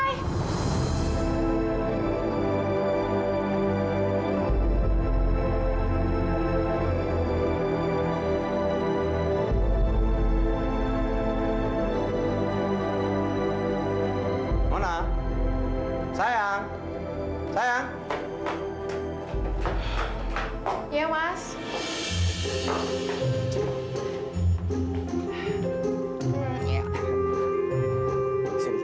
dia sudah selesai itu